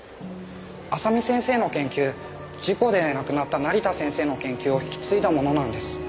麻美先生の研究事故で亡くなった成田先生の研究を引き継いだものなんです。